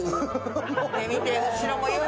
見て。